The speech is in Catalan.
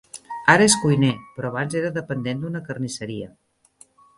Ara és cuiner, però abans era dependent d'una carnisseria.